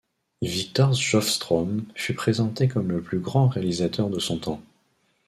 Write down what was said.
Victor Sjöström fut présenté comme le plus grand réalisateur de son temps.